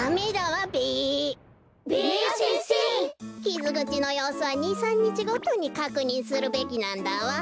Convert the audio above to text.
きずぐちのようすは２３にちごとにかくにんするべきなんだわ。